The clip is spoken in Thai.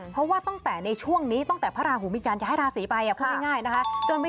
เพราะว่าตั้งแต่ในช่วงนี้ตั้งแต่พระราหูมิกันจะให้ราศีไป